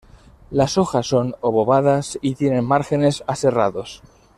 Las hojas son obovadas y tienen márgenes aserrados.